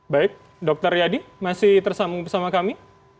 baik dokter yadi masih tersambung bersama kami